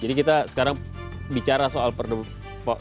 jadi kita sekarang bicara soal perdemuan